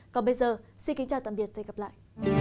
còn bây giờ xin kính chào tạm biệt và hẹn gặp lại